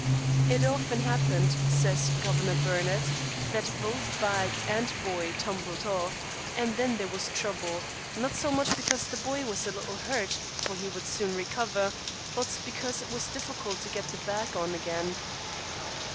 "It often happened," says Governor Burnett, "that both bag and boy tumbled off, and then there was trouble; not so much because the boy was a little hurt (for he would soon recover), but because it was difficult to get the bag on again."